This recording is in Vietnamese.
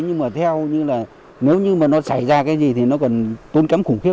nhưng mà theo như là nếu như mà nó xảy ra cái gì thì nó còn tôn cấm khủng khiếp